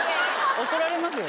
怒られますよ。